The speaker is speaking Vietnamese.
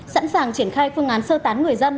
sẵn sàng triển khai phương án sơ tán người dân